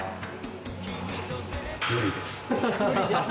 無理です。